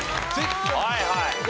はいはい。